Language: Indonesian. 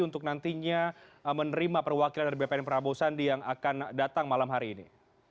untuk nantinya menerima perwakilan dari bpn prabowo sandi yang akan datang malam hari ini